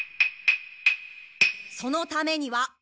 そのためには。